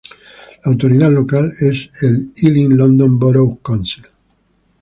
La autoridad local es el Ealing London Borough Council.